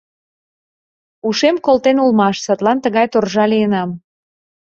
Ушем колтен улмаш, садлан тыгай торжа лийынам.